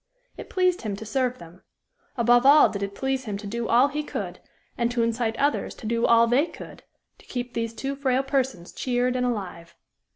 It pleased him to serve them; above all did it please him to do all he could, and to incite others to do all they could, to keep these two frail persons cheered and alive.